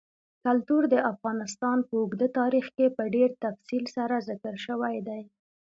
کلتور د افغانستان په اوږده تاریخ کې په ډېر تفصیل سره ذکر شوی دی.